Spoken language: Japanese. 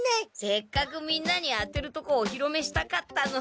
せっかくみんなに当てるとこおひろめしたかったのに。